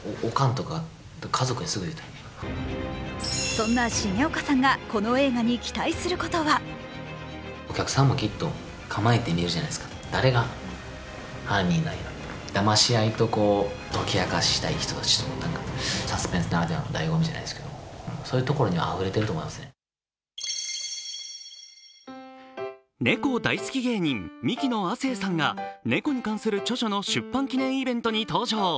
そんな重岡さんがこの映画に期待することは猫大好き芸人、ミキの亜生さんが猫に関する著書の出版イベントに登場。